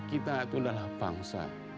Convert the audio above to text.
kita itu adalah bangsa